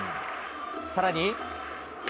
さらに。